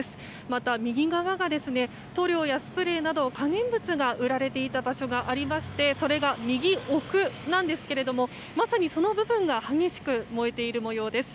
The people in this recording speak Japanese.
また、右側が塗料やスプレーなど可燃物が売られていた場所がありましてそれが右奥なんですがまさに、その部分が激しく燃えている模様です。